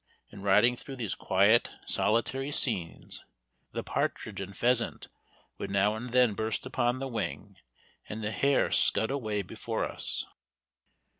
In riding through these quiet, solitary scenes, the partridge and pheasant would now and then burst upon the wing, and the hare scud away before us.